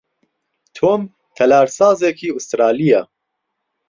تۆم تەلارسازێکی ئوسترالییە.